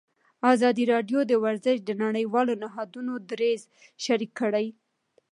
ازادي راډیو د ورزش د نړیوالو نهادونو دریځ شریک کړی.